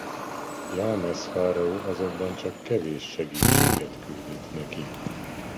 Jahmesz fáraó azonban csak kevés segítséget küldött neki.